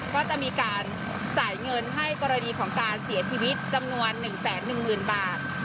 ก็จะมีการจ่ายเงินให้กรณีของการเสียชีวิตจำนวน๑๑๐๐๐บาท